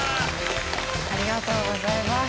ありがとうございます。